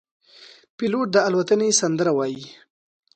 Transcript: پیلوټ د الوتنې سندره وايي.